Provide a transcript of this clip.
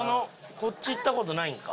こっちいった事ないんか。